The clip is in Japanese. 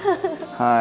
はい。